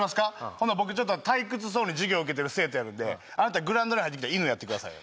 ほな僕ちょっと退屈そうに授業受けてる生徒やるんであなたグラウンドに入ってきた犬やってくださいよ